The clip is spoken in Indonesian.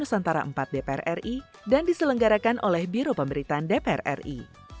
dilakukan di wilayah gedung nusantara empat dpr ri dan diselenggarakan oleh biro pemberitaan dpr ri